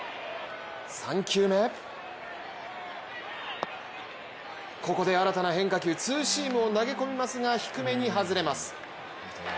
３球目、ここで新たな変化球ツーシームを投げ込みますが低めに外れます。